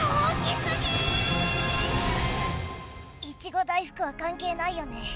いちご大福はかんけいないよね。